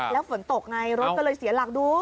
แล้วฝนตกไงรถก็เลยเสียหลักดู